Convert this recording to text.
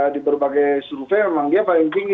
di berbagai survei memang dia paling tinggi